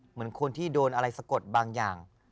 เหมือนคนที่โดนอะไรสะกดบางอย่าง